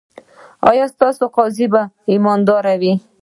ایا ستاسو قاضي به ایماندار وي؟